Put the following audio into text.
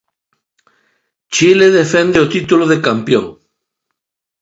Chile defende o título de campión.